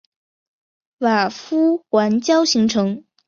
瓦夫环礁形成。